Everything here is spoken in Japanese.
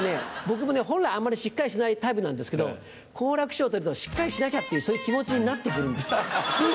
僕もね本来あんまりしっかりしないタイプなんですけど好楽師匠といるとしっかりしなきゃっていうそういう気持ちになって来るんです。